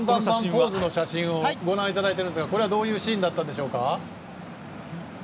ポーズをご覧いただいていますがこれはどういうシーンだったんでしょうか？